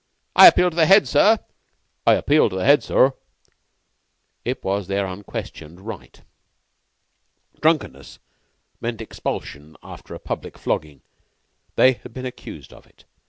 "I appeal to the head, sir." "I appeal to the Head, sir." It was their unquestioned right. Drunkenness meant expulsion after a public flogging. They had been accused of it.